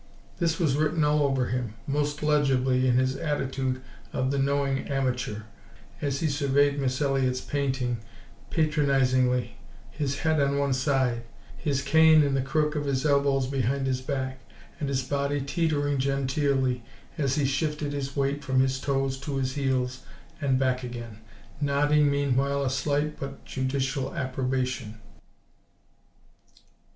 This was written all over him, most legibly in his attitude of the knowing amateur, as he surveyed Miss Elliott's painting patronisingly, his head on one side, his cane in the crook of his elbows behind his back, and his body teetering genteelly as he shifted his weight from his toes to his heels and back again, nodding meanwhile a slight but judicial approbation.